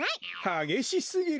はげしすぎる。